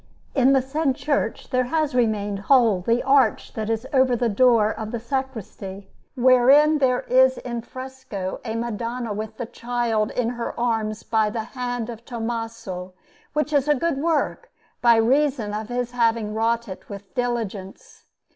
In the said church there has remained whole the arch that is over the door of the sacristy, wherein there is in fresco a Madonna with the Child in her arms by the hand of Tommaso, which is a good work, by reason of his having wrought it with diligence.